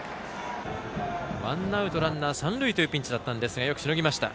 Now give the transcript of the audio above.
ワンアウトランナー、三塁というピンチだったんですがよくしのぎました。